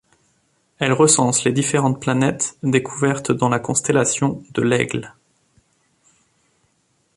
Elle recense les différentes planètes découvertes dans la constellation de l'Aigle.